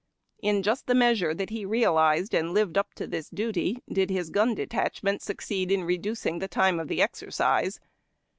In ]ust the measure that he realized and lived up to this duty, did his gun detachment succeed in reducing the time of the exercise.